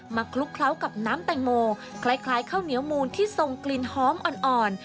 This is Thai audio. คลุกเคล้ากับน้ำแตงโมคล้ายข้าวเหนียวมูลที่ทรงกลิ่นหอมอ่อน